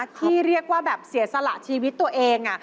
ที่เรียกว่าแบบเสียสละชีวิตตัวเอง